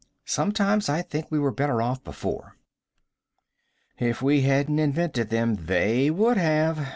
Sometimes I think we were better off before." "If we hadn't invented them, they would have."